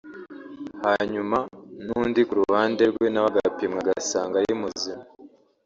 hanyuma n’undi ku ruhande rwe nawe agapimwa agasanga ari muzima